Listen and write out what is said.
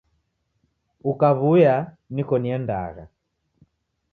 Ukaw'uya niko niendagha.